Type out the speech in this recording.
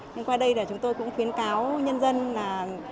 nhưng qua đây là chúng tôi cũng khuyến cáo nhân dân là